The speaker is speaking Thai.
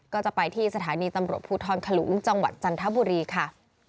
ก็จะไปที่สถานีตำรวจภูทรขลุงจังหวัดจันทบุรีค่ะ